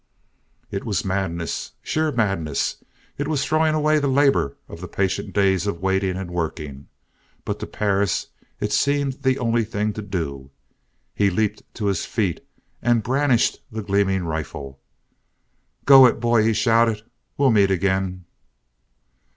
It was madness, sheer madness; it was throwing away the labor of the patient days of waiting and working; but to Perris it seemed the only thing to do. He leaped to his feet and brandished the gleaming rifle. "Go it, boy!" he shouted. "We'll meet again!"